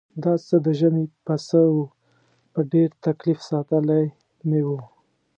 دا څه د ژمي پسه و په ډېر تکلیف ساتلی مې و.